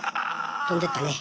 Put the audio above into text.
飛んでったね。